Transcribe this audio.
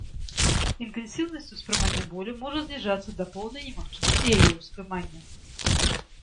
Інтэнсіўнасць успрымання болю можа зніжацца да поўнай немагчымасці яе ўспрымання.